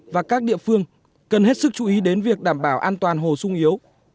và các địa phương cần hết sức chú ý đến việc đảm bảo an toàn hồ sung yếu